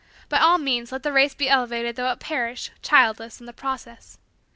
By all means let the race be elevated though it perish, childless, in the process.